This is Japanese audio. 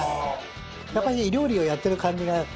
やっぱり料理をやってる感じが。